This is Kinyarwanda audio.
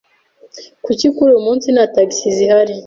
Kuki kuri uyu munsi nta tagisi zihari?